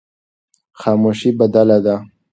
خاموشي بدله ده.